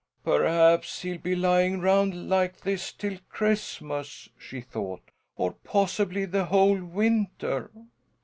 "Perhaps he'll be lying round like this till Christmas!" she thought. "Or possibly the whole winter?"